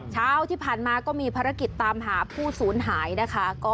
เช้าที่ผ่านมาก็มีภารกิจตามหาผู้ศูนย์หายนะคะ